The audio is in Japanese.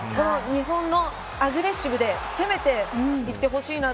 日本のアグレッシブで攻めていってほしいな